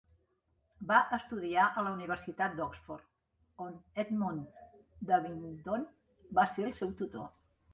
Va estudiar a la Universitat d'Oxford, on Edmund d'Abingdon va ser el seu tutor.